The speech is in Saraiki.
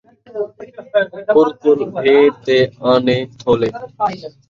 کُڑ کُڑ ڈھیر تے عانے تھولے